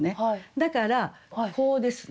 だからこうですね。